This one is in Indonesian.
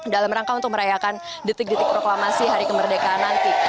dalam rangka untuk merayakan detik detik proklamasi hari kemerdekaan nanti